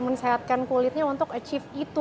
mensehatkan kulitnya untuk achieve itu